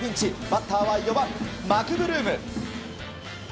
バッターは４番、マクブルーム。